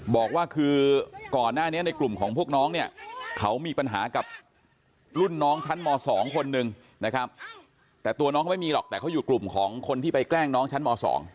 บอกว่าคือก่อนหน้านี้ในกลุ่มของพวกน้องเนี่ยเขามีปัญหากับรุ่นน้องชั้นม๒คนนึงนะครับแต่ตัวน้องเขาไม่มีหรอกแต่เขาอยู่กลุ่มของคนที่ไปแกล้งน้องชั้นม๒